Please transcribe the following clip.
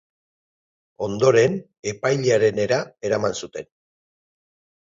Ondoren, epailearenera eraman zuten.